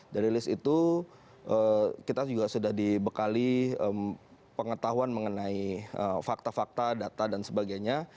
dari list itu kita juga sudah dibekali pengetahuan mengenai fakta fakta data dan sebagainya